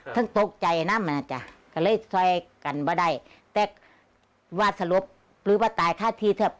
ซึ่งตกใจนะมันอาจจะก็เลยซ่อยกันว่าได้แต่ว่าสรุปหรือว่าตายข้าทีเถอะ